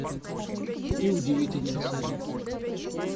И удивительные советы.